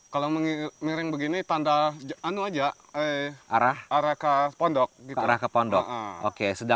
kalau miring begini tanda arah ke pondok